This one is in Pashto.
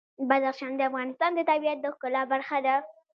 بدخشان د افغانستان د طبیعت د ښکلا برخه ده.